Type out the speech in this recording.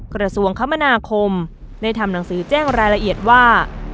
กระทรวงคมนาคมได้ทำหนังสือแจ้งรายละเอียดว่า